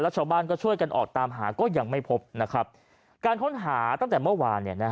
ชาวบ้านก็ช่วยกันออกตามหาก็ยังไม่พบนะครับการค้นหาตั้งแต่เมื่อวาน